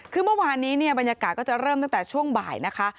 คือเมื่อวานนี้เนี่ยบรรยากาศก็จะเริ่มตั้งแต่ช่วงบ่ายนะคะ